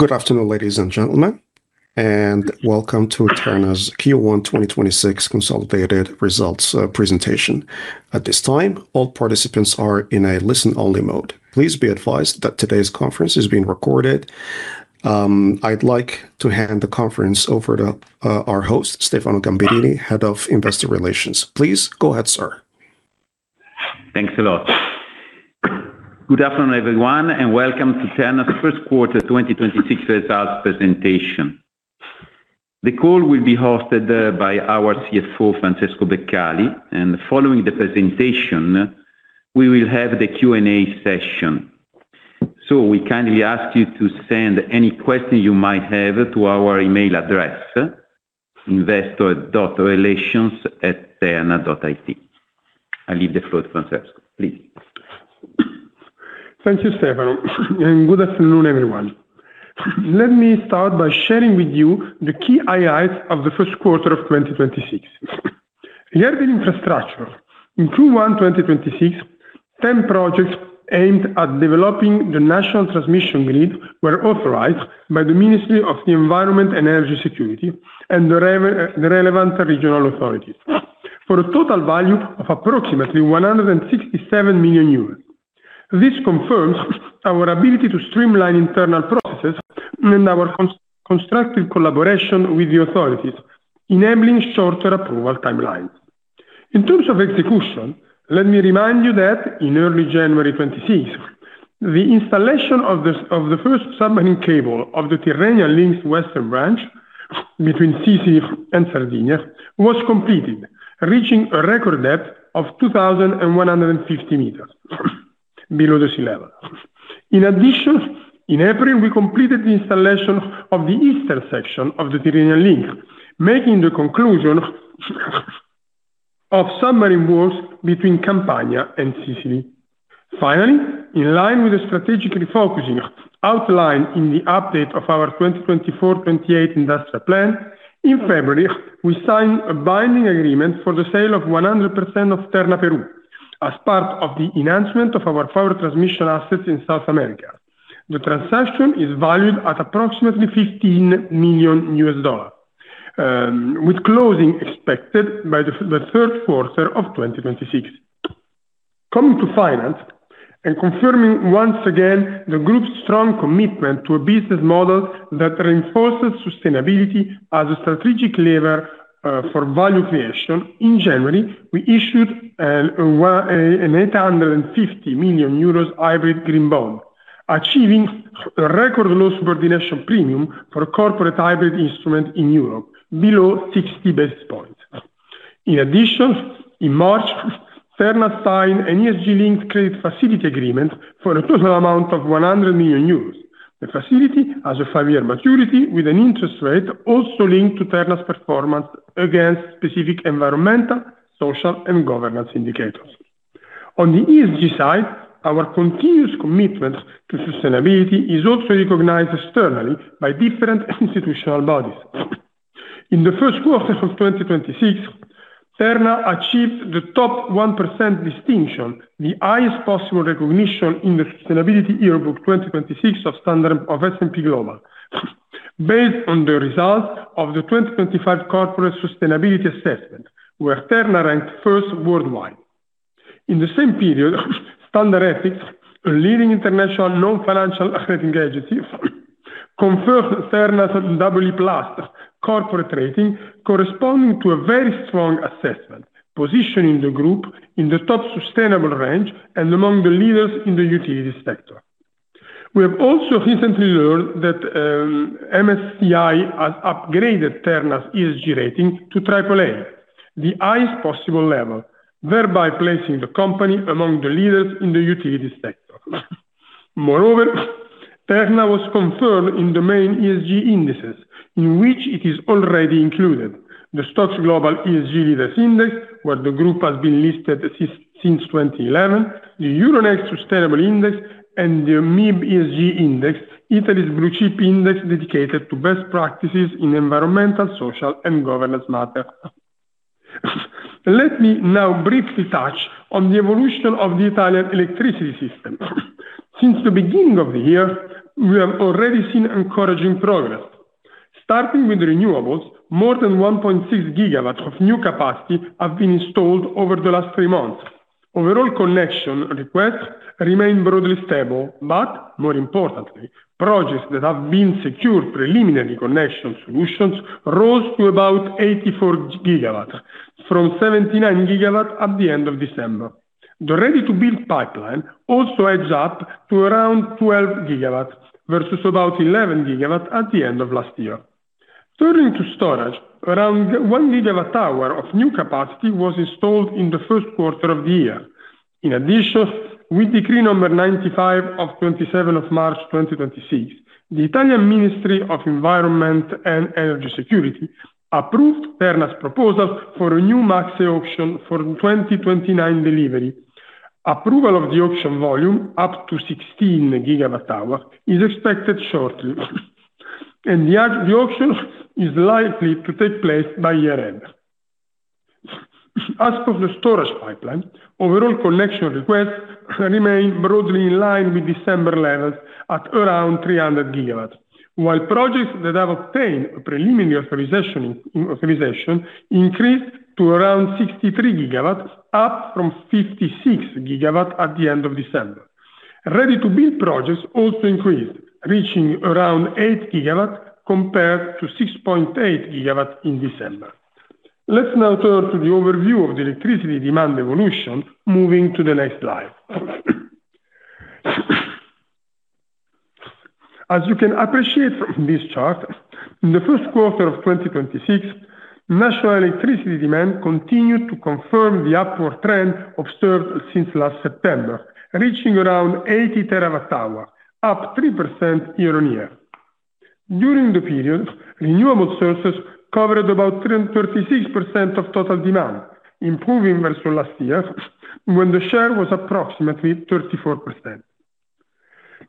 Good afternoon, ladies and gentlemen, and welcome to Terna's Q1 2026 consolidated results presentation. At this time, all participants are in a listen-only mode. Please be advised that today's conference is being recorded. I'd like to hand the conference over to our host, Stefano Gamberini, Head of Investor Relations. Please go ahead, sir. Thanks a lot. Good afternoon, everyone, and welcome to Terna's first quarter 2026 results presentation. The call will be hosted by our CFO, Francesco Beccali, and following the presentation, we will have the Q&A session. We kindly ask you to send any questions you might have to our email address, investor.relations@terna.it. I leave the floor to Francesco, please. Thank you, Stefano, and good afternoon, everyone. Let me start by sharing with you the key highlights of the first quarter of 2026. Here in infrastructure, in Q1 2026, 10 projects aimed at developing the national transmission grid were authorized by the Ministry of the Environment and Energy Security and the relevant regional authorities for a total value of approximately 167 million euros. This confirms our ability to streamline internal processes and our constructive collaboration with the authorities, enabling shorter approval timelines. In terms of execution, let me remind you that in early January 2026, the installation of the of the first submarine cable of the Tyrrhenian Link western branch between Sicily and Sardinia was completed, reaching a record depth of 2,150 meters below the sea level. In addition, in April, we completed the installation of the eastern section of the Tyrrhenian Link, marking the conclusion of submarine works between Campania and Sicily. In line with the strategic refocusing outlined in the update of our 2024, 2028 industrial plan, in February, we signed a binding agreement for the sale of 100% of Terna Peru as part of the enhancement of our power transmission assets in South America. The transaction is valued at approximately $15 million, with closing expected by the third quarter of 2026. Coming to finance and confirming once again the group's strong commitment to a business model that reinforces sustainability as a strategic lever, for value creation, in January, we issued, an 850 million euros hybrid green bond, achieving a record low subordination premium for a corporate hybrid instrument in Europe below 60 basis points. In March, Terna signed an ESG-linked credit facility agreement for a total amount of 100 million euros. The facility has a five year maturity with an interest rate also linked to Terna's performance against specific environmental, social, and governance indicators. On the ESG side, our continuous commitment to sustainability is also recognized externally by different institutional bodies. In the first quarter of 2026, Terna achieved the top 1% distinction, the highest possible recognition in the Sustainability Yearbook 2026 of S&P Global. Based on the results of the 2025 corporate sustainability assessment, where Terna ranked first worldwide. In the same period, Standard Ethics, a leading international non-financial accrediting agency, confirmed Terna's EE+ corporate rating, corresponding to a very strong assessment, positioning the group in the top sustainable range and among the leaders in the utility sector. We have also recently learned that MSCI has upgraded Terna's ESG rating to AAA, the highest possible level, thereby placing the company among the leaders in the utility sector. Moreover, Terna was confirmed in the main ESG indices in which it is already included: The STOXX Global ESG Leaders Index, where the group has been listed since 2011, the Euronext Sustainable Index, and the MIB ESG Index, Italy's blue-chip index dedicated to best practices in environmental, social, and governance matters. Let me now briefly touch on the evolution of the Italian electricity system. Since the beginning of the year, we have already seen encouraging progress. Starting with renewables, more than 1.6 GW of new capacity have been installed over the last three months. Overall connection requests remain broadly stable. More importantly, projects that have been secured preliminary connection solutions rose to about 84 GW from 79 GW at the end of December. The ready-to-build pipeline also adds up to around 12 GW versus about 11 GW at the end of last year. Turning to storage, around 1 GWh of new capacity was installed in the first quarter of the year. In addition, with Decree number 95 of 27 of March 2026, the Italian Ministry of Environment and Energy Security approved Terna's proposal for a new MACSE auction for 2029 delivery. Approval of the auction volume, up to 16 GWh, is expected shortly, and the auction is likely to take place by year-end. As for the storage pipeline, overall connection requests remain broadly in line with December levels at around 300 GW, while projects that have obtained a preliminary authorization increased to around 63 GW, up from 56 GW at the end of December. Ready-to-build projects also increased, reaching around 8 GW compared to 6.8 GW in December. Let's now turn to the overview of the electricity demand evolution, moving to the next slide. As you can appreciate from this chart, in the first quarter of 2026, national electricity demand continued to confirm the upward trend observed since last September, reaching around 80 TWh, up 3% year-on-year. During the period, renewable sources covered about 36% of total demand, improving versus last year when the share was approximately 34%.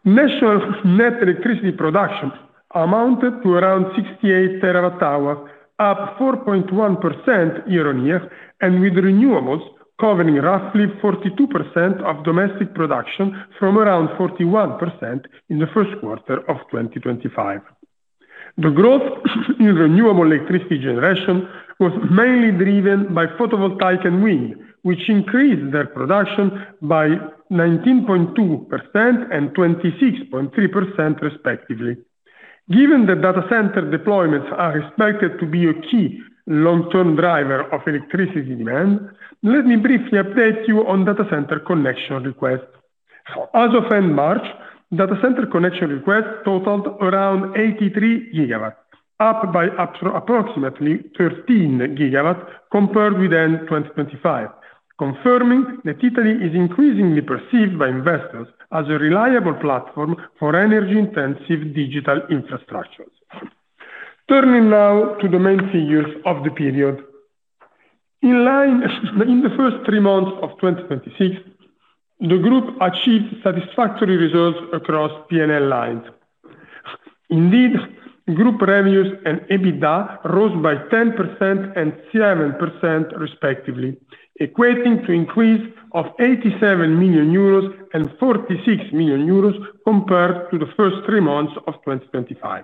National net electricity production amounted to around 68 TWh, up 4.1% year-on-year, and with renewables covering roughly 42% of domestic production from around 41% in the first quarter of 2025. The growth in renewable electricity generation was mainly driven by photovoltaic and wind, which increased their production by 19.2% and 26.3% respectively. Given the Data Center deployments are expected to be a key long-term driver of electricity demand, let me briefly update you on Data Center connection requests. As of end March, Data Center connection requests totaled around 83 GW, up by approximately 13 GW compared with end 2025, confirming that Italy is increasingly perceived by investors as a reliable platform for energy-intensive digital infrastructures. In line, in the first three months of 2026, the group achieved satisfactory results across P&L lines. Group revenues and EBITDA rose by 10% and 7% respectively, equating to increase of 87 million euros and 46 million euros compared to the first three months of 2025.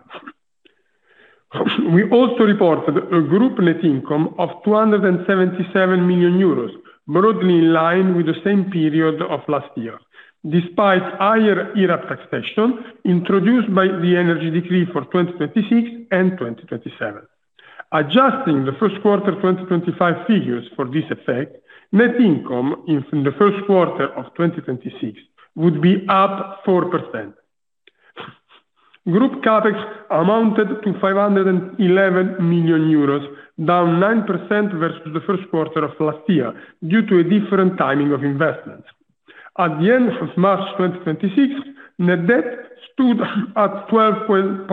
We also reported a group net income of 277 million euros, broadly in line with the same period of last year, despite higher IRAP taxation introduced by the Energy Decree for 2026 and 2027. Adjusting the first quarter 2025 figures for this effect, net income in the first quarter of 2026 would be up 4%. Group CapEx amounted to 511 million euros, down 9% versus the first quarter of last year due to a different timing of investments. At the end of March 2026, net debt stood at 12.2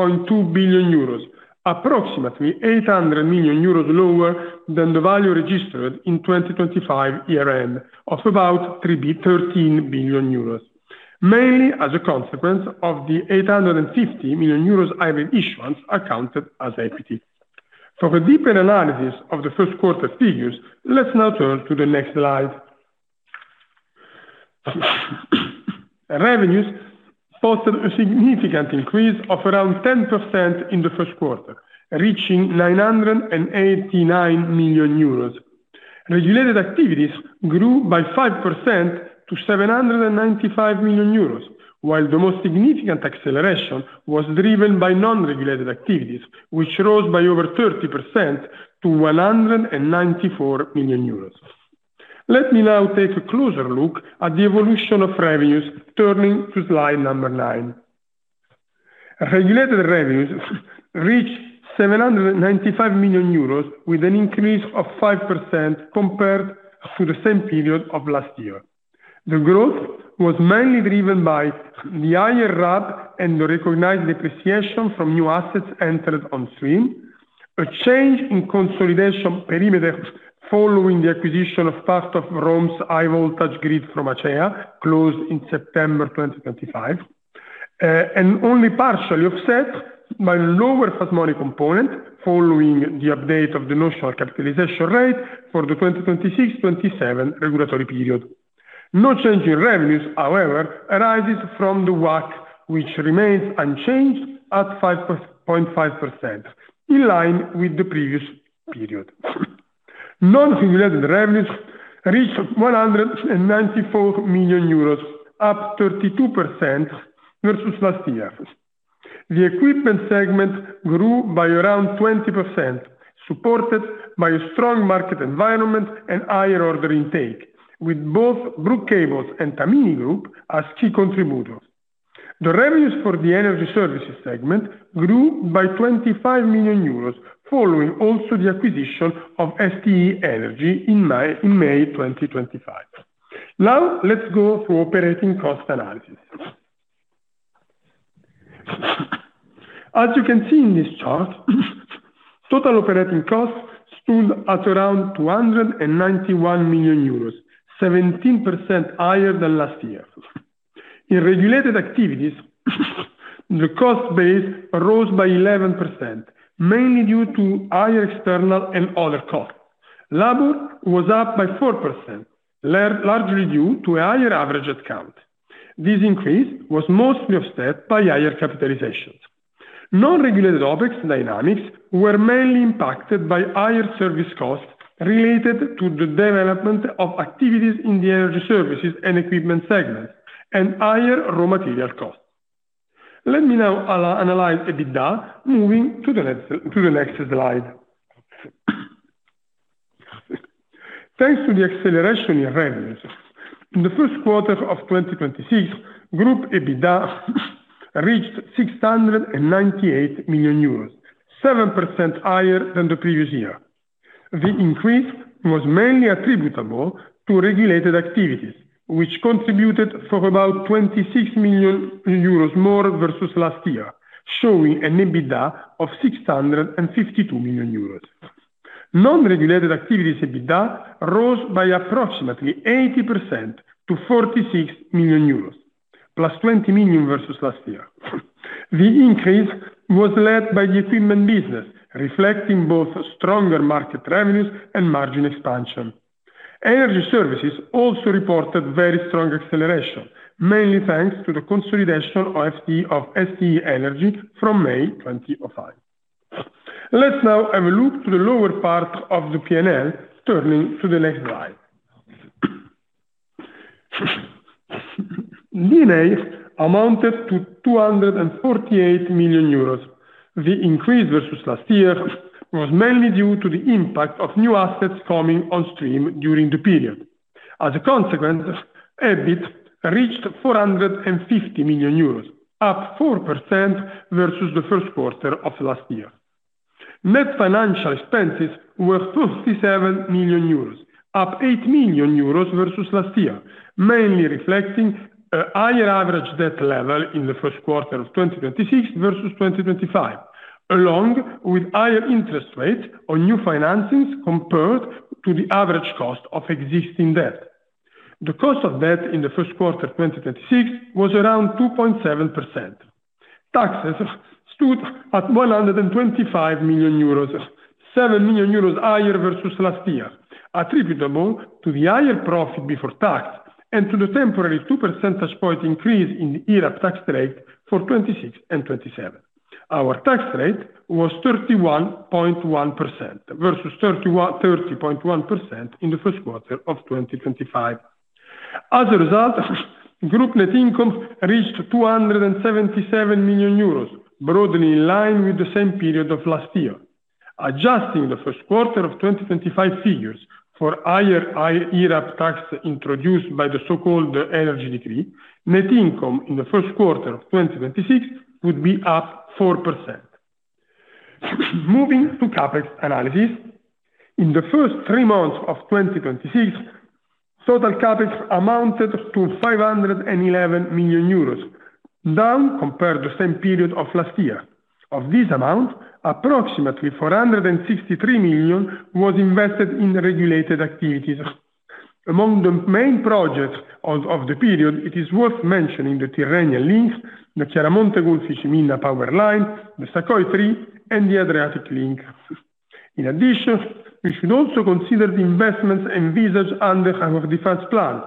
billion euros, approximately 800 million euros lower than the value registered in 2025 year end of about 13 billion euros, mainly as a consequence of the 850 million euros hybrid issuance accounted as equity. For a deeper analysis of the first quarter figures, let's now turn to the next slide. Revenues posted a significant increase of around 10% in the first quarter, reaching 989 million euros. Regulated activities grew by 5% to 795 million euros, while the most significant acceleration was driven by non-regulated activities, which rose by over 30% to 194 million euros. Let me now take a closer look at the evolution of revenues, turning to slide 9. Regulated revenues reached 795 million euros with an increase of 5% compared to the same period of last year. The growth was mainly driven by the higher RAB and the recognized depreciation from new assets entered on stream. A change in consolidation perimeter following the acquisition of part of Rome's high-voltage grid from Acea, closed in September 2025, and only partially offset by lower fast money component following the update of the notional capitalization rate for the 2026-2027 regulatory period. No change in revenues, however, arises from the WACC, which remains unchanged at 5.5%, in line with the previous period. Non-regulated revenues reached 194 million euros, up 32% versus last year. The Equipment segment grew by around 20%, supported by a strong market environment and higher order intake, with both Brugg Kabel and Tamini Group as key contributors. The revenues for the Energy services segment grew by 25 million euros, following also the acquisition of STE Energy in May 2025. Let's go through operating cost analysis. As you can see in this chart, total operating costs stood at around 291 million euros, 17% higher than last year. In regulated activities, the cost base rose by 11%, mainly due to higher external and other costs. Labor was up by 4%, largely due to a higher average headcount. This increase was mostly offset by higher capitalizations. Non-regulated OpEx dynamics were mainly impacted by higher service costs related to the development of activities in the Energy services and Equipment segments and higher raw material costs. Let me now analyze a bit that, moving to the next slide. Thanks to the acceleration in revenues, in the first quarter of 2026, group EBITDA reached 698 million euros, 7% higher than the previous year. The increase was mainly attributable to regulated activities, which contributed for about 26 million euros more versus last year, showing an EBITDA of 652 million euros. Non-regulated activities EBITDA rose by approximately 80% to 46 million euros, +20 million versus last year. The increase was led by the Equipment business, reflecting both stronger market revenues and margin expansion. Energy services also reported very strong acceleration, mainly thanks to the consolidation of STE Energy from May 2025. Let's now have a look to the lower part of the P&L, turning to the next slide. D&A amounted to 248 million euros. The increase versus last year was mainly due to the impact of new assets coming on stream during the period. As a consequence, EBIT reached 450 million euros, up 4% versus the first quarter of last year. Net financial expenses were 57 million euros, up 8 million euros versus last year, mainly reflecting a higher average debt level in the first quarter of 2026 versus 2025, along with higher interest rates on new financings compared to the average cost of existing debt. The cost of debt in the first quarter of 2026 was around 2.7%. Taxes stood at 125 million euros, 7 million euros higher versus last year, attributable to the higher profit before tax and to the temporary 2 percentage point increase in the IRAP tax rate for 2026 and 2027. Our tax rate was 31.1% versus 30.1% in the first quarter of 2025. Group net income reached 277 million euros, broadly in line with the same period of last year. Adjusting the first quarter of 2025 figures for higher IRAP tax introduced by the so-called Energy Decree, net income in the first quarter of 2026 would be up 4%. Moving to CapEx analysis. In the first three months of 2026, total CapEx amounted to 511 million euros, down compared to the same period of last year. Of this amount, approximately 463 million was invested in regulated activities. Among the main projects of the period, it is worth mentioning the Tyrrhenian Link, the Chiaramonte Gulfi-Siculiana power line, the SACOI 3, and the Adriatic Link. In addition, we should also consider the investments envisaged under our defense plan,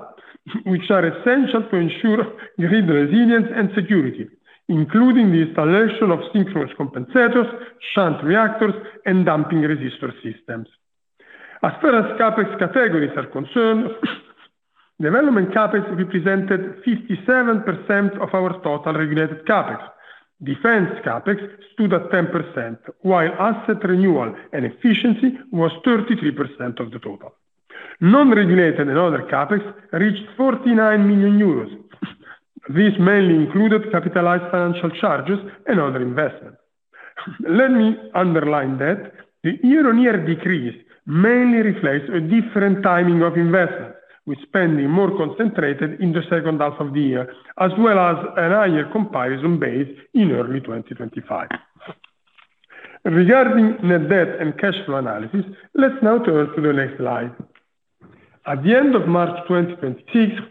which are essential to ensure grid resilience and security, including the installation of synchronous compensators, shunt reactors, and damping resistor systems. As far as CapEx categories are concerned, development CapEx represented 57% of our total regulated CapEx. Defense CapEx stood at 10%, while asset renewal and efficiency was 33% of the total. Non-regulated and other CapEx reached 49 million euros. This mainly included capitalized financial charges and other investments. Let me underline that the year-over-year decrease mainly reflects a different timing of investments, with spending more concentrated in the second half of the year, as well as a higher comparison base in early 2025. Regarding net debt and cash flow analysis, let's now turn to the next slide. At the end of March 2026,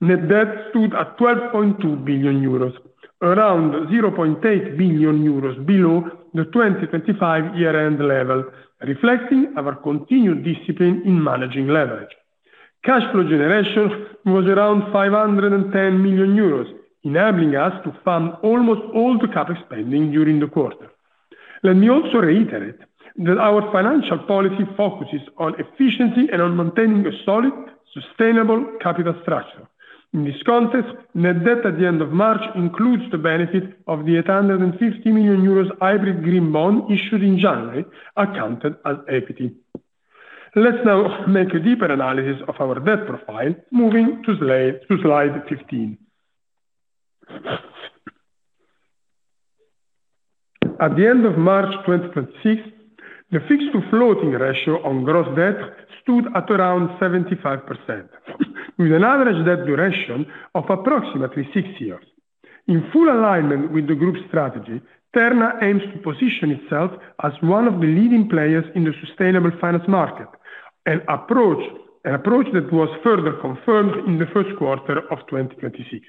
net debt stood at 12.2 billion euros, around 0.8 billion euros below the 2025 year-end level, reflecting our continued discipline in managing leverage. Cash flow generation was around 510 million euros, enabling us to fund almost all the CapEx spending during the quarter. Let me also reiterate that our financial policy focuses on efficiency and on maintaining a solid, sustainable capital structure. In this context, net debt at the end of March includes the benefit of the 850 million euros hybrid green bond issued in January, accounted as equity. Let's now make a deeper analysis of our debt profile, moving to slide 15. At the end of March 2026, the fixed to floating ratio on gross debt stood at around 75%, with an average debt duration of approximately six years. In full alignment with the group's strategy, Terna aims to position itself as one of the leading players in the sustainable finance market. An approach that was further confirmed in the first quarter of 2026.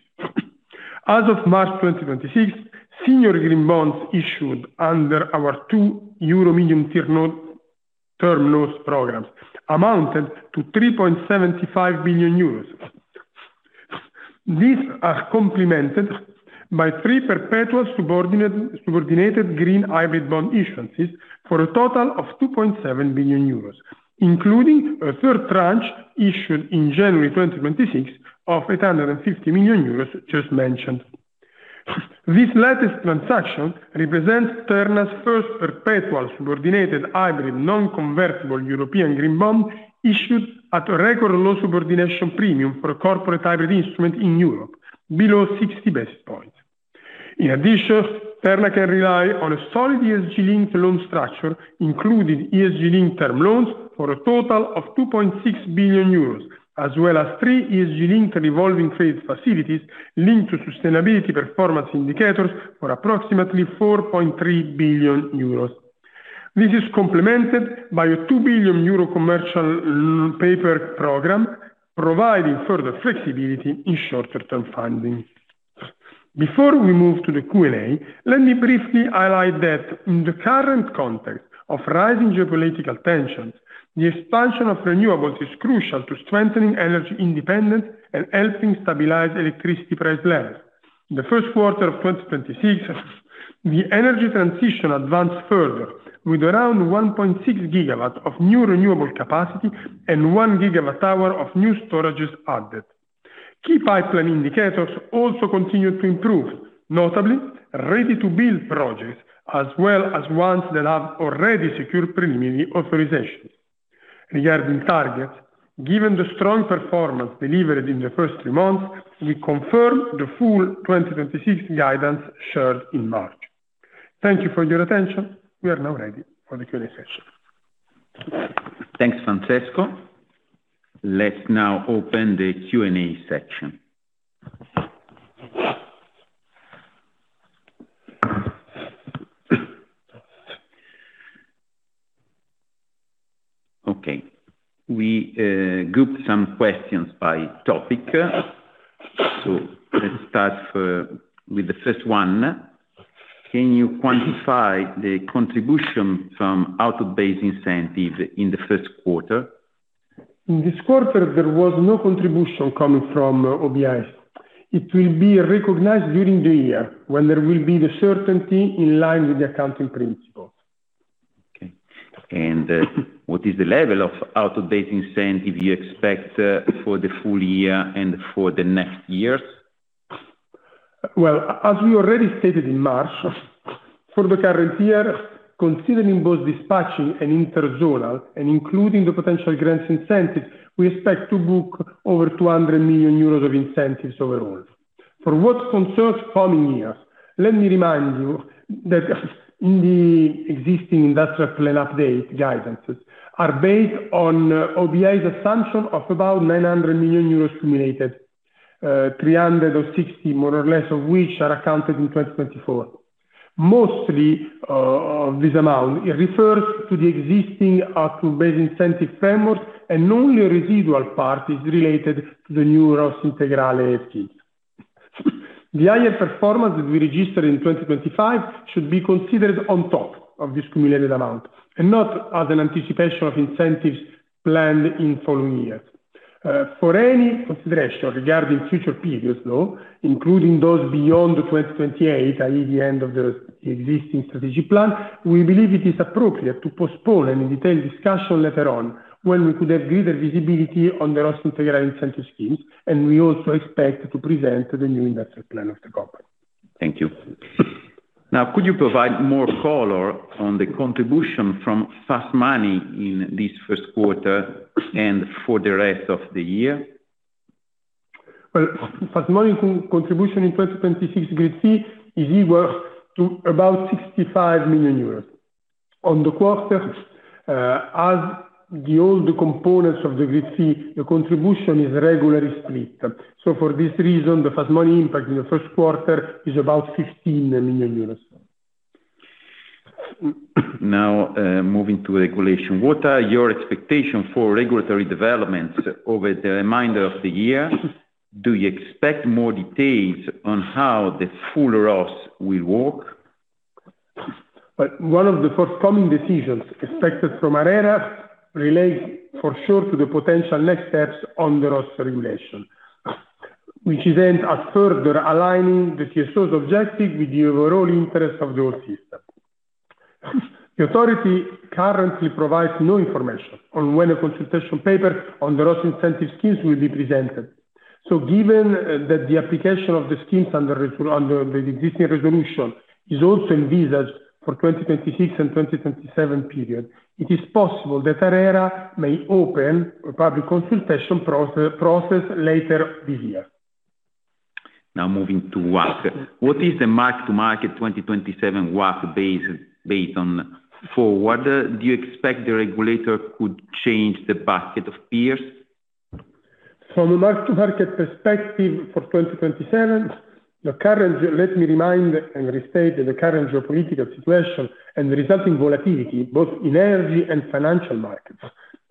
As of March 2026, senior green bonds issued under our two Euro Medium Term Note, term loans programs amounted to 3.75 billion euros. These are complemented by three perpetual subordinated hybrid green bond issuances for a total of 2.7 billion euros, including a third tranche issued in January 2026 of 850 million euros, just mentioned. This latest transaction represents Terna's first perpetual subordinated hybrid non-convertible European green bond issued at a record low subordination premium for a corporate hybrid instrument in Europe, below 60 basis points. In addition, Terna can rely on a solid ESG-linked loan structure, including ESG-linked term loans for a total of 2.6 billion euros, as well as three ESG-linked revolving credit facilities linked to sustainability performance indicators for approximately 4.3 billion euros. This is complemented by a 2 billion euro commercial paper program, providing further flexibility in shorter term funding. Before we move to the Q&A, let me briefly highlight that in the current context of rising geopolitical tensions, the expansion of renewables is crucial to strengthening energy independence and helping stabilize electricity price levels. In the first quarter of 2026, the energy transition advanced further, with around 1.6 GW of new renewable capacity and 1 GWh of new storages added. Key pipeline indicators also continued to improve, notably ready-to-build projects as well as ones that have already secured preliminary authorizations. Regarding targets, given the strong performance delivered in the first three months, we confirm the full 2026 guidance shared in March. Thank you for your attention. We are now ready for the Q&A session. Thanks, Francesco. Let's now open the Q&A section. We grouped some questions by topic. Let's start with the first one. Can you quantify the contribution from output-based incentives in the first quarter? In this quarter, there was no contribution coming from OBIs. It will be recognized during the year when there will be the certainty in line with the accounting principles. Okay. What is the level of Output-Based Incentive you expect for the full year and for the next years? As we already stated in March, for the current year, considering both dispatching and inter-zonal, and including the potential grants incentives, we expect to book over 200 million euros of incentives overall. For what concerns coming years, let me remind you that in the existing industrial plan update guidances are based on OBIs assumption of about 900 million euros accumulated, 360 million, more or less, of which are accounted in 2024. Mostly, of this amount, it refers to the existing output-based incentive framework, and only a residual part is related to the new ROSS Integrale schemes. The higher performance that we registered in 2025 should be considered on top of this accumulated amount and not as an anticipation of incentives planned in following years. For any consideration regarding future periods, though, including those beyond 2028, i.e., the end of the existing strategic plan, we believe it is appropriate to postpone any detailed discussion later on when we could have greater visibility on the ROSS Integrale incentive schemes, and we also expect to present the new industrial plan of the company. Thank you. Could you provide more color on the contribution from fast money in this first quarter and for the rest of the year? Fast money contribution in 2026 grid fee is equal to about 65 million euros. On the quarter, as the older components of the grid fee, the contribution is regularly split. For this reason, the fast money impact in the first quarter is about 15 million euros. Moving to regulation, what are your expectation for regulatory developments over the remainder of the year? Do you expect more details on how the full ROSS will work? One of the forthcoming decisions expected from ARERA relates for sure to the potential next steps on the ROSS regulation, which is aimed at further aligning the TSO's objective with the overall interest of the whole system. The authority currently provides no information on when a consultation paper on the ROSS incentive schemes will be presented. Given that the application of the schemes under the existing resolution is also envisaged for 2026 and 2027 period, it is possible that ARERA may open a public consultation process later this year. Moving to WACC. What is the mark to market 2027 WACC base, based on forward? Do you expect the regulator could change the basket of peers? From a mark-to-market perspective for 2027, let me remind and restate that the current geopolitical situation and the resulting volatility, both in Energy and Financial markets,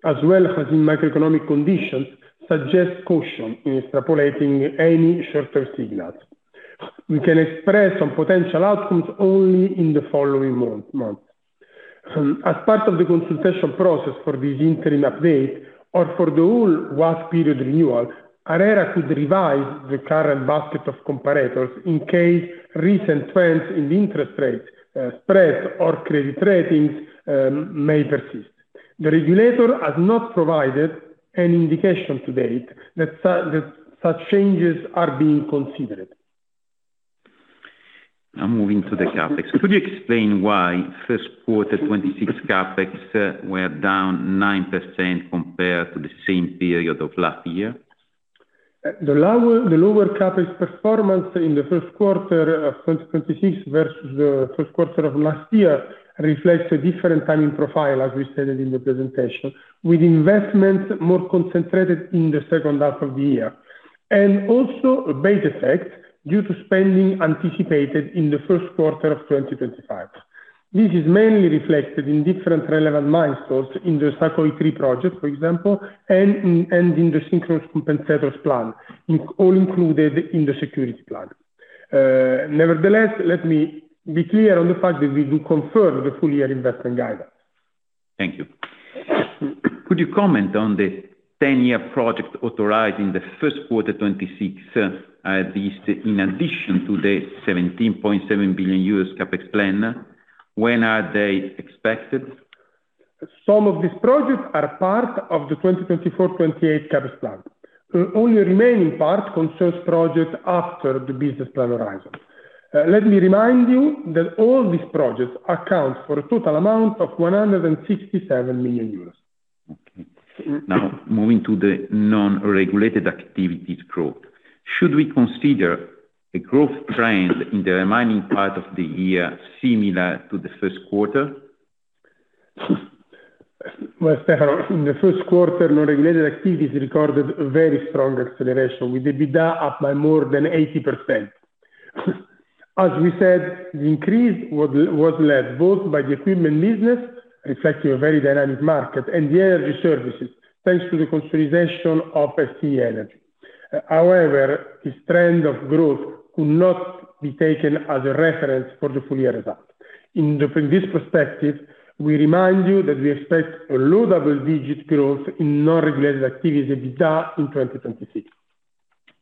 as well as in macroeconomic conditions, suggests caution in extrapolating any shorter signals. We can express some potential outcomes only in the following months. As part of the consultation process for this interim update or for the whole WACC period renewal, ARERA could revise the current basket of comparators in case recent trends in the interest rate spread or credit ratings may persist. The regulator has not provided any indication to date that such changes are being considered. Now moving to the CapEx. Could you explain why first quarter 2026 CapEx were down 9% compared to the same period of last year? The lower CapEx performance in the first quarter of 2026 versus the first quarter of last year reflects a different timing profile, as we stated in the presentation, with investments more concentrated in the second half of the year, and also a base effect due to spending anticipated in the first quarter of 2025. This is mainly reflected in different relevant milestones in the SACOI 3 project, for example, and in the synchronous compensators plan, all included in the security plan. Nevertheless, let me be clear on the fact that we do confirm the full year investment guidance. Thank you. Could you comment on the 10-year project authorized in the first quarter 2026, at least in addition to the $17.7 billion U.S. CapEx plan? When are they expected? Some of these projects are part of the 2024/2028 CapEx plan. Only remaining part concerns projects after the business plan horizon. Let me remind you that all these projects account for a total amount of 167 million euros. Okay. Now, moving to the non-regulated activities growth. Should we consider the growth trend in the remaining part of the year similar to the first quarter? Stefano, in the first quarter, non-regulated activities recorded a very strong acceleration, with the EBITDA up by more than 80%. As we said, the increase was led both by the Equipment business, reflecting a very dynamic market, and the Energy services, thanks to the consolidation of STE Energy. This trend of growth could not be taken as a reference for the full year result. In this perspective, we remind you that we expect a low double-digit growth in non-regulated activities EBITDA in 2026.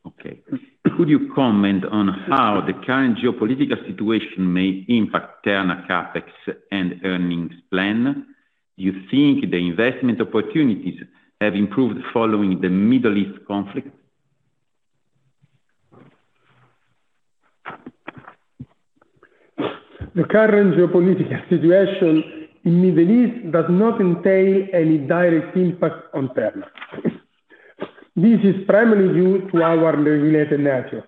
Okay. Could you comment on how the current geopolitical situation may impact Terna CapEx and earnings plan? Do you think the investment opportunities have improved following the Middle East conflict? The current geopolitical situation in Middle East does not entail any direct impact on Terna. This is primarily due to our regulated nature,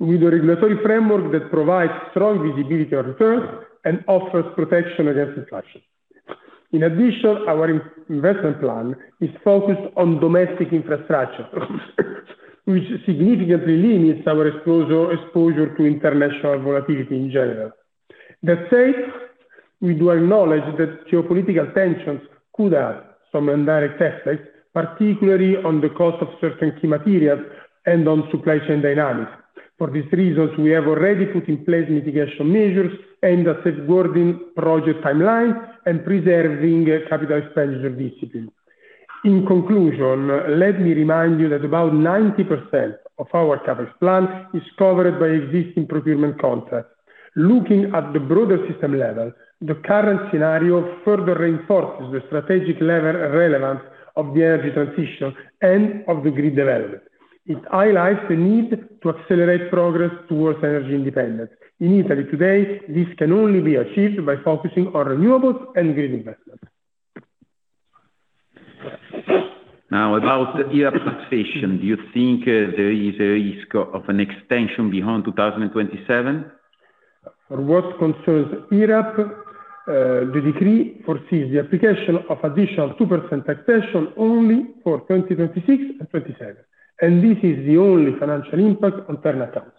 with a regulatory framework that provides strong visibility on returns and offers protection against inflation. Our investment plan is focused on domestic infrastructure, which significantly limits our exposure to international volatility in general. We do acknowledge that geopolitical tensions could have some indirect effects, particularly on the cost of certain key materials and on supply chain dynamics. We have already put in place mitigation measures and are safeguarding project timelines and preserving capital expenditure discipline. Let me remind you that about 90% of our CapEx plan is covered by existing procurement contracts. Looking at the broader system level, the current scenario further reinforces the strategic level relevance of the energy transition and of the grid development. It highlights the need to accelerate progress towards energy independence. In Italy today, this can only be achieved by focusing on renewables and grid investments. Now, about IRAP taxation, do you think, there is a risk of an extension beyond 2027? For what concerns IRAP, the decree foresees the application of additional 2% taxation only for 2026 and 2027, and this is the only financial impact on Terna accounts.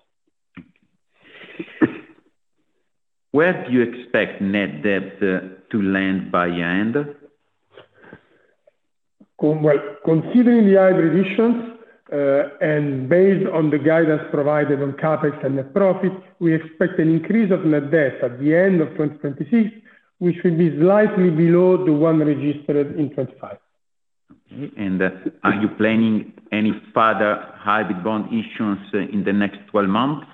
Where do you expect net debt to land by year-end? Considering the hybrid issuance, and based on the guidance provided on CapEx and net profits, we expect an increase of net debt at the end of 2026, which will be slightly below the one registered in 2025. Okay, are you planning any further hybrid bond issuance in the next 12 months?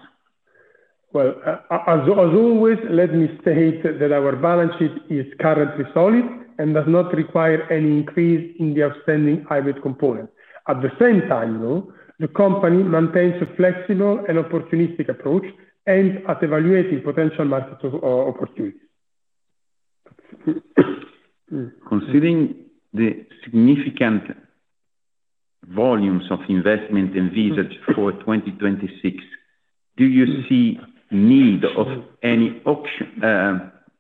As always, let me state that our balance sheet is currently solid and does not require any increase in the outstanding hybrid component. At the same time, though, the company maintains a flexible and opportunistic approach and is evaluating potential market opportunities. Considering the significant volumes of investment envisaged for 2026, do you see need of any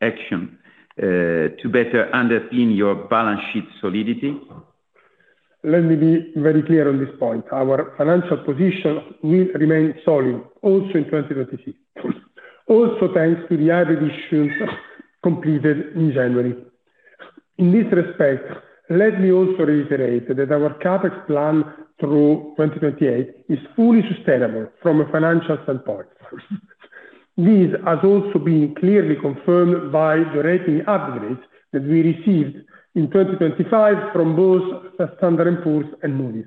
action to better underpin your balance sheet solidity? Let me be very clear on this point. Our financial position will remain solid also in 2026. Thanks to the added issues completed in January. In this respect, let me also reiterate that our CapEx plan through 2028 is fully sustainable from a financial standpoint. This has also been clearly confirmed by the rating upgrades that we received in 2025 from both Standard & Poor's and Moody's,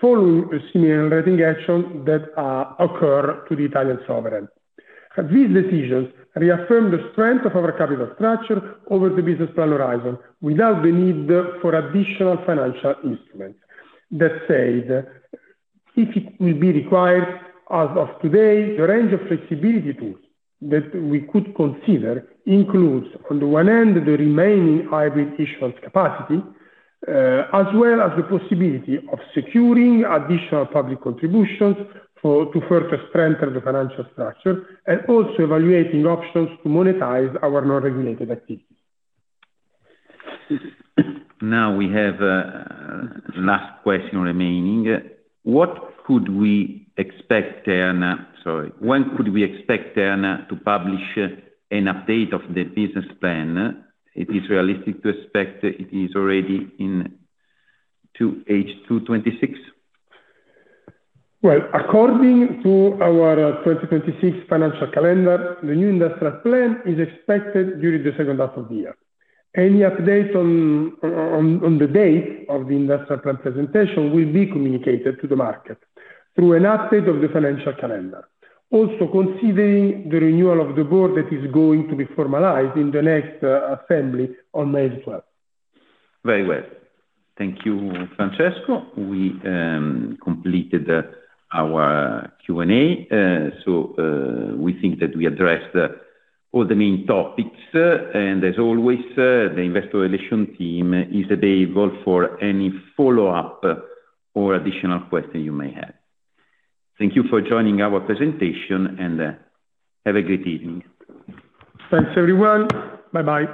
following a similar rating action that occur to the Italian Sovereign. These decisions reaffirm the strength of our capital structure over the business plan horizon without the need for additional financial instruments. That said, if it will be required, as of today, the range of flexibility tools that we could consider includes, on the one end, the remaining hybrid issuance capacity, as well as the possibility of securing additional public contributions to further strengthen the financial structure, and also evaluating options to monetize our non-regulated activities. Now we have last question remaining. When could we expect Terna to publish an update of the business plan? It is realistic to expect it is already in 2H 2026? According to our 2026 financial calendar, the new industrial plan is expected during the second half of the year. Any updates on the date of the industrial plan presentation will be communicated to the market through an update of the financial calendar. Considering the renewal of the board that is going to be formalized in the next assembly on May 12th. Very well. Thank you, Francesco. We completed our Q&A. We think that we addressed all the main topics. As always, the investor relation team is available for any follow-up or additional question you may have. Thank you for joining our presentation. Have a great evening. Thanks, everyone. Bye-bye.